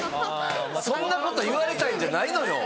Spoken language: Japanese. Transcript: そんなこと言われたいんじゃないのよ。